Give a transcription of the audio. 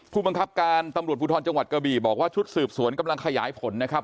ผู้บังคับการตำรวจภูทรจังหวัดกระบี่บอกว่าชุดสืบสวนกำลังขยายผลนะครับ